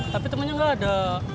tapi temennya nggak ada